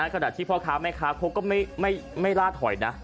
ขณะที่พ่อค้าแม่ค้าเขาก็ไม่ล่าถอยนะ